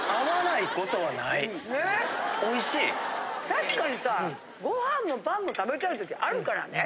たしかにさご飯もパンも食べたい時あるからね。